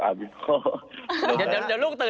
ห้ามเบ้ย